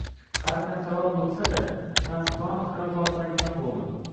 Har qancha vaqt o‘tsa-da, transplantat xira tortmaydigan bo‘ldi